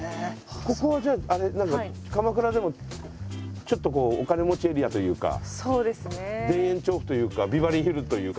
ここはじゃあ鎌倉でもちょっとお金持ちエリアというか田園調布というかビバリーヒルズというか。